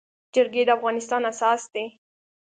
جرګي د افغانستان اساس دی.